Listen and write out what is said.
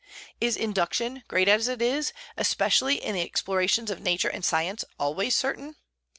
Is induction, great as it is, especially in the explorations of Nature and science, always certain?